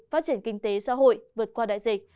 phát triển kinh tế xã hội vượt qua đại dịch